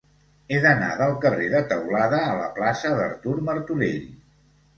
He d'anar del carrer de Teulada a la plaça d'Artur Martorell.